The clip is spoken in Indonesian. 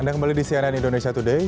anda kembali di cnn indonesia today